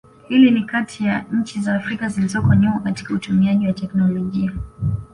Hii ni kati ya nchi za Afrika zilizoko nyuma katika utumiaji wa teknolojia